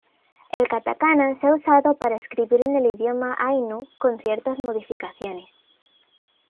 El katakana se ha usado para escribir en el idioma ainu, con ciertas modificaciones.